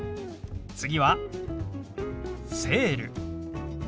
次は「セール」。